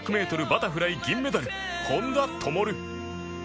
バタフライ銀メダル本多灯